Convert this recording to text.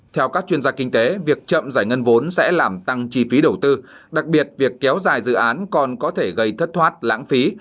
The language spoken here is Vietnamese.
theo các chuyên gia kinh tế việc chậm giải ngân vốn sẽ làm tăng chi phí đầu tư đặc biệt việc kéo dài dự án còn có thể gây thất thoát lãng phí